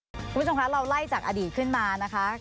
คุณผู้ชมคะเราไล่จากอดีตขึ้นมานะคะ